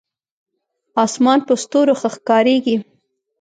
اسمان په ستورو ښه ښکارېږي.